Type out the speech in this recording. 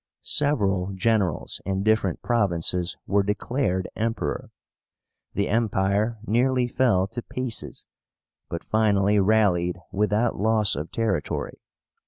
Several generals in different provinces were declared Emperor. The Empire nearly fell to pieces, but finally rallied without loss of territory.